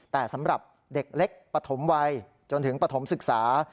แต่สำหรับเด็กเล็กปฐมวัยจนถึงปฐมศึกษา